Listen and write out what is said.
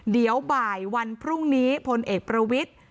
เดี๋ยวบ่ายวันพรุ่งนี้พลเอกประวิทธิ์